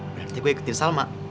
berarti gue ikutin salma